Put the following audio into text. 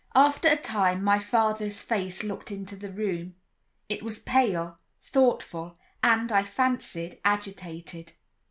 After a time my father's face looked into the room; it was pale, thoughtful, and, I fancied, agitated.